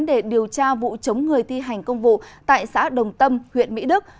để điều tra vụ chống người thi hành công vụ tại xã đồng tâm huyện mỹ đức